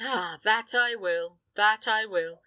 Ah! that I will, that I will!